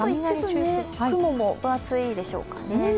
一部、雲も分厚いでしょうかね。